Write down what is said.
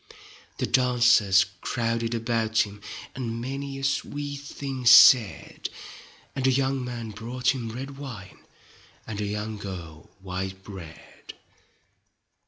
The dancers crowded about him, And many a sweet thing said, And a young man brought him red wine And a young girl white bread.